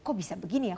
kok bisa begini ya